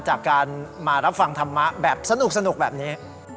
จากการมารับฟังธรรมะแบบสนุกแบบนี้